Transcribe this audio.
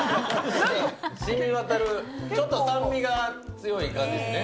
染みわたる、ちょっと酸味が強い感じですね。